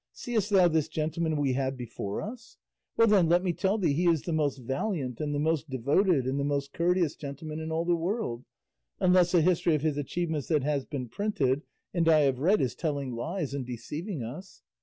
Seest thou this gentleman we have before us? Well then let me tell thee he is the most valiant and the most devoted and the most courteous gentleman in all the world, unless a history of his achievements that has been printed and I have read is telling lies and deceiving us.